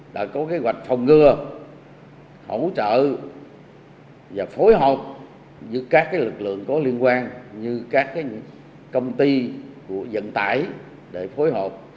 đã có kế hoạch phòng ngừa hỗ trợ và phối hợp với các lực lượng có liên quan như các công ty của dẫn tải để phối hợp